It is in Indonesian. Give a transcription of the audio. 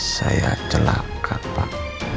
saya telap kak pak